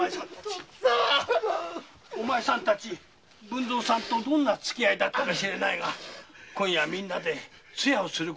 お前さんたち文造さんとどんなつきあいだったか知らないが今夜皆で通夜をすることにしたんだ。